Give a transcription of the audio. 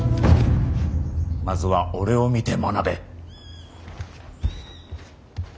まずは俺を見て学べ。